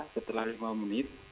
setelah lima menit